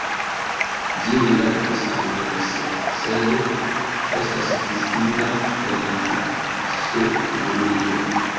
Ĝi rilatas al, sed estas distinga el taksonomio.